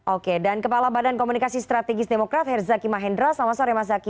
oke dan kepala badan komunikasi strategis demokrat herzaki mahendra selamat sore mas zaky